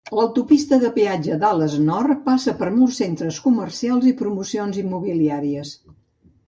L'autopista de peatge Dallas North passa per molts centres comercials i promocions immobiliàries.